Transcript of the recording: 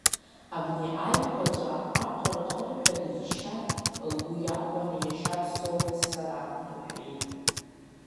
Абни аиқәаҵәа аҟыр-ҟырҳәа дыччан, лгәы иахәаны иашьа дсоуит сара, — лҳәеит.